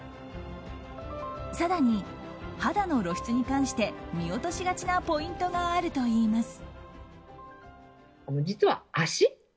更に、肌の露出に関して見落としがちなポイントがあるといいます。